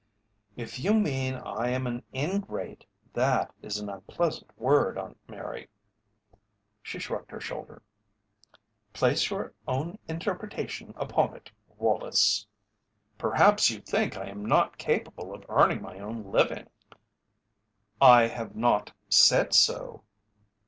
"If you mean I am an ingrate, that is an unpleasant word, Aunt Mary." She shrugged her shoulder. "Place your own interpretation upon it, Wallace." "Perhaps you think I am not capable of earning my own living?" "I have not said so."